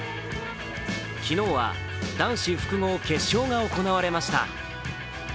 昨日は男子複合決勝が行われました。